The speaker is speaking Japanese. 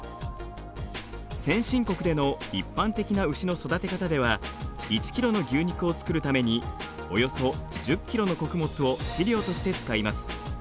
先進国での一般的な牛の育て方では１ｋｇの牛肉を作るためにおよそ１０ｋｇの穀物を飼料として使います。